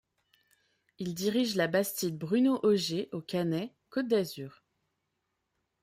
Il dirige la Bastide Bruno Oger, au Cannet, Côte d'Azur.